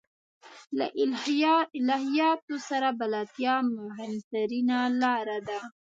له الهیاتو سره بلدتیا مهمترینه لاره ده.